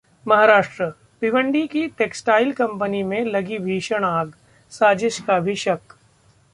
महाराष्ट्र: भिवंडी की textile company में लगी भीषण आग, साजिश का भी शक